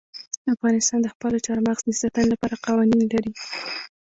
افغانستان د خپلو چار مغز د ساتنې لپاره قوانین لري.